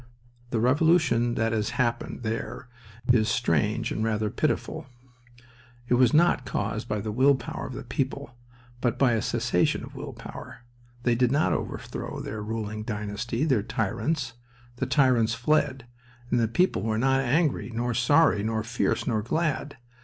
The revolution that has happened there is strange and rather pitiful. It was not caused by the will power of the people, but by a cessation of will power. They did not overthrow their ruling dynasty, their tyrants. The tyrants fled, and the people were not angry, nor sorry, nor fierce, nor glad.